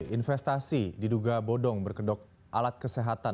investasi diduga bodong berkedok alat kesehatan